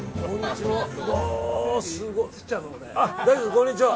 こんにちは。